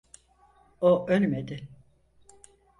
O ölmedi!